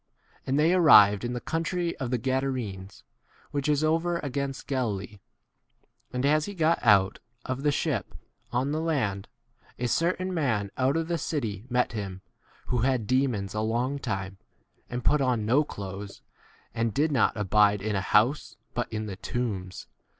28 And they arrived in the country of the Gadarenes, which is over 2 7 against Galilee. And as he got out [of the ship] on the land, a certain man out of the city met him, who had demons a long time, and put on no clothes, and did not abide in a house, but in the 28 tombs.